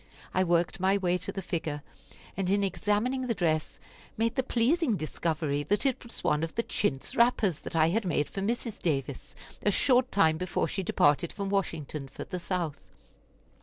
I worked my way to the figure, and in examining the dress made the pleasing discovery that it was one of the chintz wrappers that I had made for Mrs. Davis, a short time before she departed from Washington for the South.